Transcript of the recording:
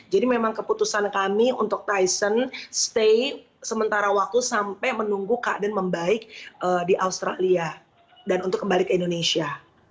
jadi memang keputusan kami untuk tyson stay sementara waktu sampai menunggu keadaan membaik di australia dan untuk kembali ke indonesia